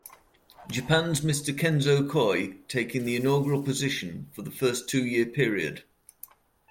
Japan's Mr. Kenzo Koi taking the inaugural position for the first two-year period.